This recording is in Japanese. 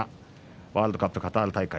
ワールドカップカタール大会